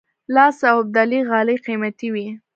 لاس اوبدلي غالۍ قیمتي وي.